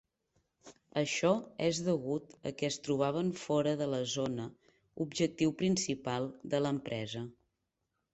Això és degut a que es trobaven fora de la zona objectiu principal de l'empresa.